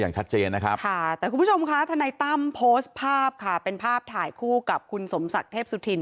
อย่างชัดเจนนะครับค่ะแต่คุณผู้ชมค่ะทนายตั้มโพสต์ภาพค่ะเป็นภาพถ่ายคู่กับคุณสมศักดิ์เทพสุธิน